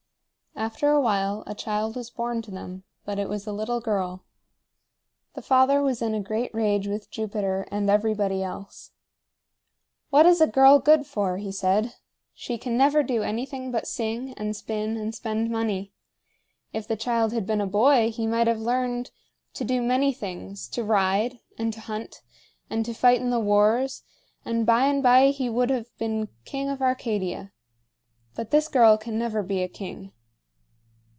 After a while a child was born to them, but it was a little girl. The father was in a great rage with Jupiter and everybody else. "What is a girl good for?" he said. "She can never do anything but sing, and spin, and spend money. If the child had been a boy, he might have learned to do many things, to ride, and to hunt, and to fight in the wars, and by and by he would have been king of Arcadia. But this girl can never be a king."